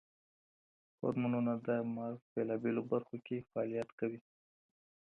هورمونونه د مغز بېلابېلو برخو کې فعالیت کوي.